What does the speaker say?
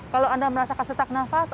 kalau anda merasakan sesak nafas